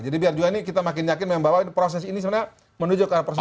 kejadian ini kita makin yakin bahwa proses ini sebenarnya menuju ke persoalan